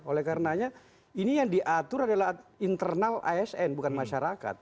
oleh karenanya ini yang diatur adalah internal asn bukan masyarakat